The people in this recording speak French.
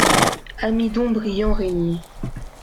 Amidon Brillant Rénier.